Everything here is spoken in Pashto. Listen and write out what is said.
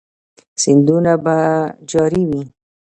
سیندونه به جاری وي؟